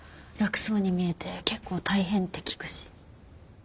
楽そうに見えて結構大変って聞くし。